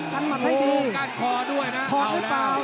ตามต่อยกที่๓ครับ